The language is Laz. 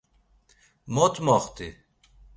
Mot moxti?